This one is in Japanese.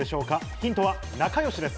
ヒントは仲良しです。